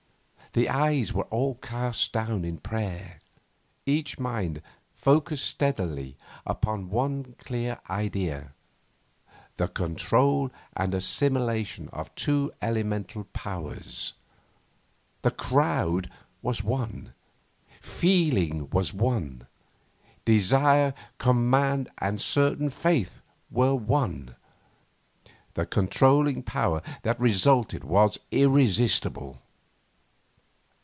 The eyes were all cast down in prayer, each mind focused steadily upon one clear idea the control and assimilation of two elemental powers. The crowd was one; feeling was one; desire, command and certain faith were one. The controlling power that resulted was irresistible.